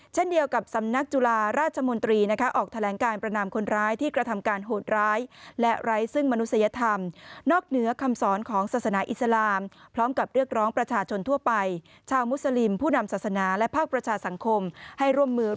เช่นเดียวกับสำนักจุฬาราชมนตรีออกแสดงการประนามคนร้ายที่กระทำการโหดร้ายและใช้